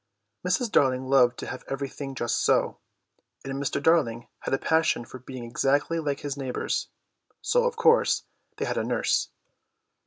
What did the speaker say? Mrs. Darling loved to have everything just so, and Mr. Darling had a passion for being exactly like his neighbours; so, of course, they had a nurse.